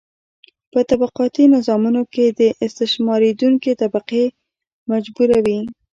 په طبقاتي نظامونو کې استثماریدونکې طبقه مجبوره وي.